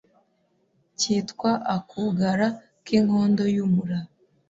kitwa Akugara k’inkondo y’umura